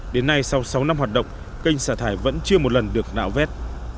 đến nay sau sáu năm hoạt động cành xả thải vẫn chưa một lần được đạo vét